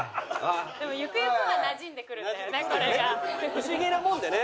不思議なものでね。